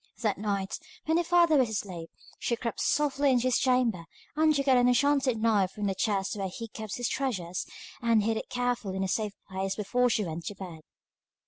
That night, when her father was asleep, she crept softly into his chamber and took out an enchanted knife from the chest where he kept his treasures, and hid it carefully in a safe place before she went to bed.